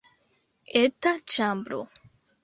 Eta ĉambro.